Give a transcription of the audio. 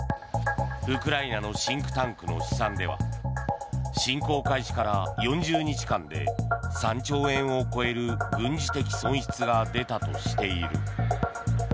ウクライナのシンクタンクの試算では侵攻開始から４０日間で３兆円を超える軍事的損失が出たとしている。